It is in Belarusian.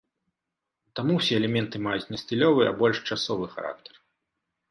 Таму ўсе элементы маюць не стылёвы, а больш часовы характар.